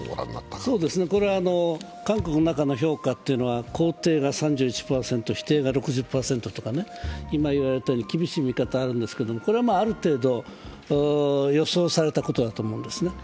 韓国の中の評価というのは肯定が３１％、否定が６０％と、今言われたように厳しい見方があるんですが、これはある程度予測されたことだと思うんですね。